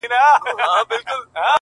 o بنده ليري مښلولې، خداى لار ورته نيولې.